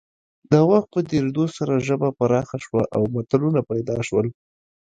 د وخت په تېرېدو سره ژبه پراخه شوه او متلونه پیدا شول